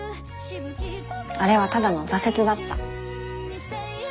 あれはただの挫折だった。